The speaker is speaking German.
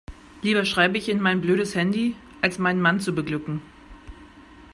Lieber schreibe ich in mein blödes Handy, als meinen Mann zu beglücken.